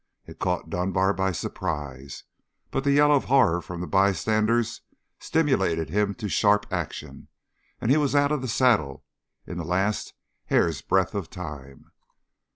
It caught Dunbar by surprise, but the yell of horror from the bystanders stimulated him to sharp action, and he was out of the saddle in the last hair's breadth of time.